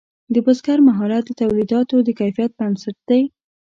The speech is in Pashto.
د بزګر مهارت د تولیداتو د کیفیت بنسټ دی.